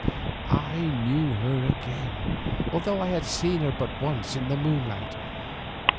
I knew her again, although I had seen her but once in the moonlight.